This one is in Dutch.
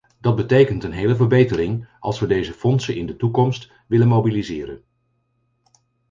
Dat betekent een hele verbetering als we deze fondsen in de toekomst willen mobiliseren.